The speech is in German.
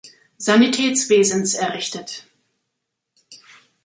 Sanitätswesens errichtet.